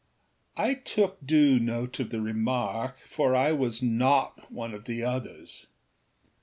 â I took due note of the remark, for I was not one of the âothers.